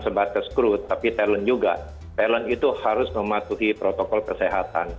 sebatas crude tapi talent juga talent itu harus mematuhi protokol kesehatan